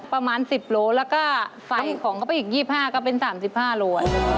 ประมาณ๑๐โลแล้วก็ไฟของเข้าไปอีก๒๕ก็เป็น๓๕โล